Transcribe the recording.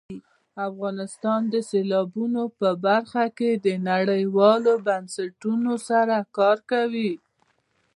افغانستان د سیلابونه په برخه کې نړیوالو بنسټونو سره کار کوي.